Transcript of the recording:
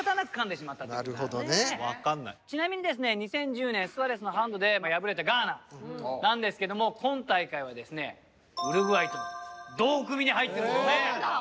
ちなみにですね２０１０年スアレスのハンドで敗れたガーナなんですけども今大会はですねウルグアイと同組に入ってるんですね。